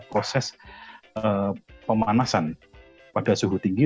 proses pemanasan pada suhu tinggi